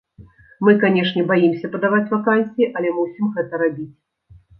Мы, канешне, баімся падаваць вакансіі, але мусім гэта рабіць.